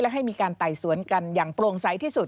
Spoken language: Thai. ให้มีการไต่สวนกันอย่างโปร่งใสที่สุด